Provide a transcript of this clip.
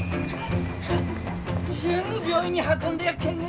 すぐ病院に運んでやっけんね。